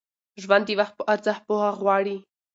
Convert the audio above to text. ژوند د وخت په ارزښت پوهه غواړي.